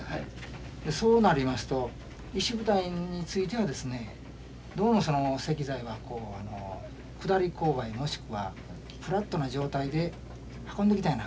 そうなりますと石舞台についてはですねどうもその石材は下り勾配もしくはフラットな状態で運んで。